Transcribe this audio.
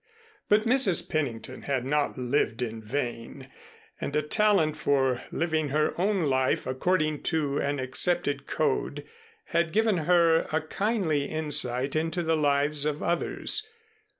But Mrs. Pennington had not lived in vain, and a talent for living her own life according to an accepted code, had given her a kindly insight into the lives of others.